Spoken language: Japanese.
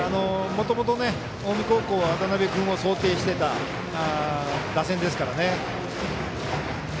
もともと近江高校は渡辺君を想定していた打線ですから。